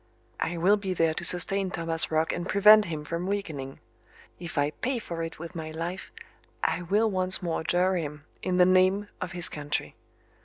I will be there to sustain Thomas Roch and prevent him from weakening. If I pay for it with my life I will once more adjure him in the name of his country.